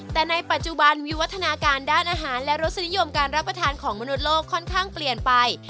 แต่ในปัจจุบันวิวัฒนาการด้านอาหารและรสนิยมการรับประทานของมนุษย์โลกค่อนข้างเปลี่ยนไป